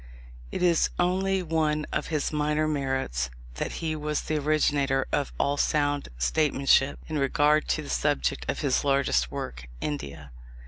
It is only one of his minor merits, that he was the originator of all sound statesmanship in regard to the subject of his largest work, India.